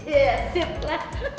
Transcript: ya siap lah